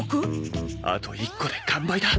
あと１個で完売だ。